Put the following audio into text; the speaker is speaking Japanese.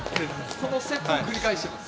このセットを繰り返します。